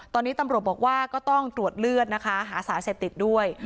ตอนนี้ตำรวจบอกว่าก็ต้องตรวจเลือดนะคะหาสารเสพติดด้วย